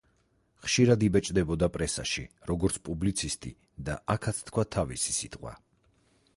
ხშირად იბეჭდებოდა პრესაში, როგორც პუბლიცისტი და აქაც თქვა თავისი სიტყვა.